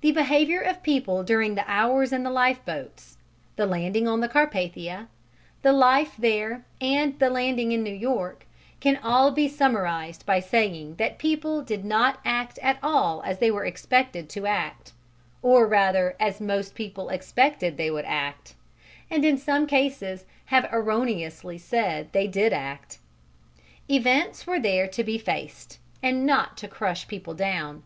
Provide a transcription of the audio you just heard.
The behaviour of people during the hours in the lifeboats, the landing on the Carpathia, the life there and the landing in New York, can all be summarized by saying that people did not act at all as they were expected to act or rather as most people expected they would act, and in some cases have erroneously said they did act. Events were there to be faced, and not to crush people down.